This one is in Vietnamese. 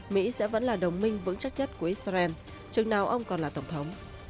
mỹ sẽ vẫn là đồng minh vững chắc nhất của israel chừng nào ông còn là tổng thống